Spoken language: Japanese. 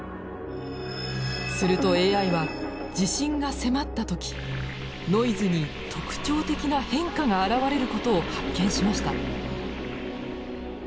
するとＡＩは地震が迫った時ノイズに特徴的な変化が現れることを発見しました。